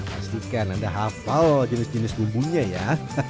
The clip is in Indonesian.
pastikan anda hafal jenis jenis bumbunya ya